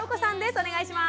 お願いします。